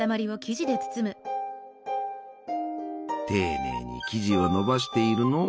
丁寧に生地をのばしているのう。